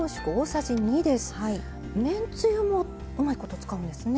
めんつゆもうまいこと使うんですね。